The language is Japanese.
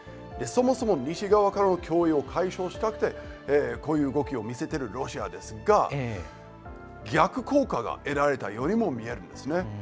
そもそも西側からの脅威を解消したくてこういう動きを見せてるロシアですが逆効果が得られたようにも見えるんですね。